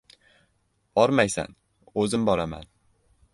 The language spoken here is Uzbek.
— Bormaysan, o‘zim boraman.